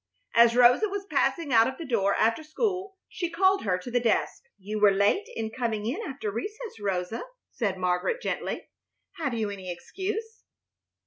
As Rosa was passing out of the door after school she called her to the desk. "You were late in coming in after recess, Rosa," said Margaret, gently. "Have you any excuse?"